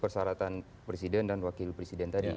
persyaratan presiden dan wakil presiden tadi